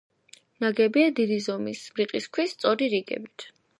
ნაგებია დიდი ზომის, რიყის ქვის, სწორი რიგებით.